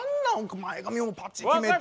前髪もパチッ決めて。